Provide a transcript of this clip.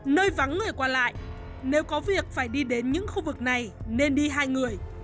nơi vắng người qua lại nếu có việc phải đi đến những khu vực này nên đi hai người